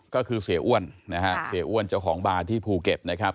ก็คือเสียอ้วนนะฮะเสียอ้วนเจ้าของบาร์ที่ภูเก็ตนะครับ